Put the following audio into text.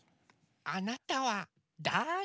あなたはだあれ？